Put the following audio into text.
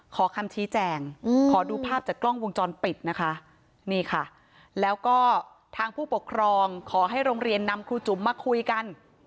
ขอคำชี้แจงขอดูภาพจากกล้องวงจรปิดนะคะนี่ค่ะแล้วก็ทางผู้ปกครองขอให้โรงเรียนนำครูจุ๋มมาคุยกัน